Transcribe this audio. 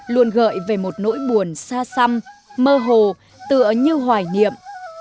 luôn gợi về một nỗi buồn xa xăm mơ hồ tựa như hoài niệm